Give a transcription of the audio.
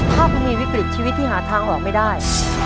ถ้าคุณมีวิกฤตชีวิตที่หาทางออกไม่ได้